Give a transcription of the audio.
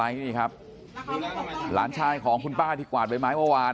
อ้าวเออคะคนจริงต้องโตตัวไม่ใช้พูดมึงเอาเปล่า